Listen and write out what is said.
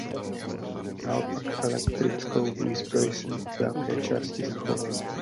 Naopak elektrickou výzbroj se z velké části zachovala.